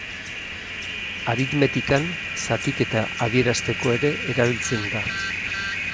Aritmetikan, zatiketa adierazteko ere erabiltzen da.